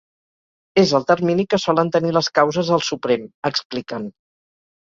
És el termini que solen tenir les causes al Suprem, expliquen.